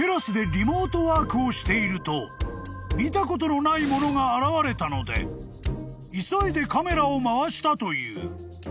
［見たことのないものが現れたので急いでカメラを回したという］